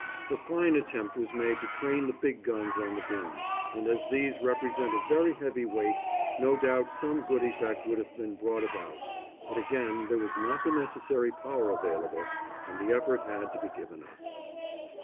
A fine attempt was made to train the big guns on the beam, and as these represent a very heavy weight, no doubt some good effect would have been brought about, but again there was not the necessary power available, and the effort had to be given up.